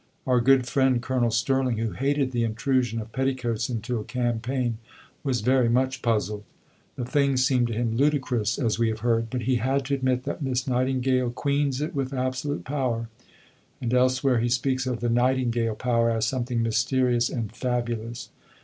Our good friend, Colonel Sterling, who hated the intrusion of petticoats into a campaign, was very much puzzled. The thing seemed to him "ludicrous," as we have heard, but he had to admit that "Miss Nightingale queens it with absolute power"; and elsewhere he speaks of "the Nightingale power" as something mysterious and "fabulous."